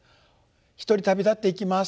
「独り旅立っていきます。